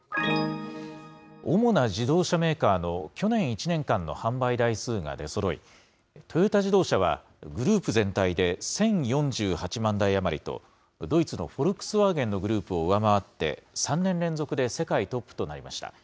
主な自動車メーカーの去年１年間の販売台数が出そろい、トヨタ自動車はグループ全体で１０４８万台余りと、ドイツのフォルクスワーゲンのグループを上回って、３年連続で世界トップとなりました。